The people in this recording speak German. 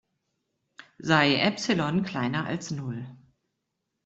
Sei Epsilon kleiner als Null.